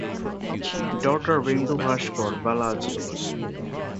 Daughter Bindu Bhaskar Balaji.